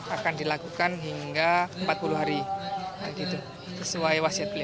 akan dilakukan hingga empat puluh hari sesuai wasiat beliau